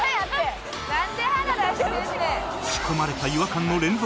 仕込まれた違和感の連続！